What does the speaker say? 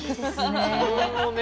自分のね